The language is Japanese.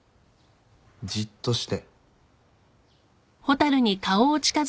じっとして。